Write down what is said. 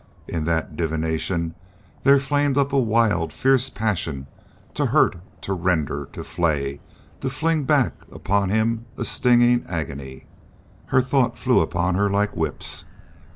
In that divination there flamed up a wild, fierce passion to hurt, to rend, to flay, to fling back upon him a stinging agony. Her thought flew upon her like whips.